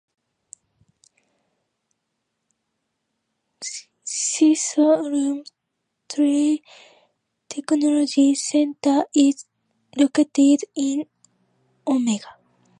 Chisholm Trail Technology Center is located in Omega.